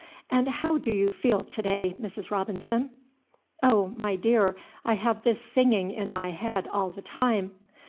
"And how do you feel to day, Mrs. Robinson?" "Oh, my dear, I have this singing in my head all the time."